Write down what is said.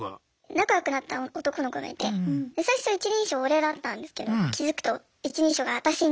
仲よくなった男の子がいて最初は一人称「俺」だったんですけど気付くと一人称が「あたし」になってて。